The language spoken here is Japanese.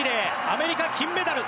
アメリカ、金メダル。